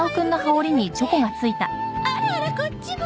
あらあらこっちも？